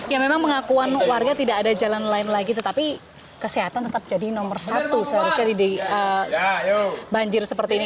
ya memang pengakuan warga tidak ada jalan lain lagi tetapi kesehatan tetap jadi nomor satu seharusnya di banjir seperti ini